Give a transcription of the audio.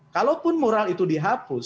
kalaupun moral itu dihapus